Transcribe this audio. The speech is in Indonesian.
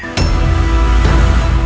gusti yang agung